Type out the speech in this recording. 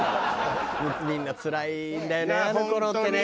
みんなつらいんだよね